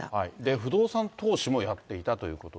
不動産投資もやっていたということで。